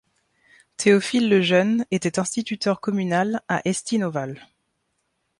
Théophile Lejeune, était instituteur communal à Estinnes-au-Val.